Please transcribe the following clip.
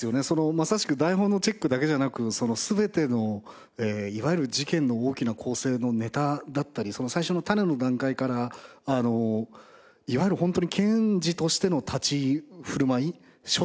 まさしく台本のチェックだけじゃなく全てのいわゆる事件の大きな構成のネタだったり最初の種の段階からいわゆるホントに検事としての立ち振る舞い所作。